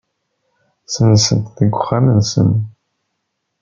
Ssensen-t deg uxxam-nsen.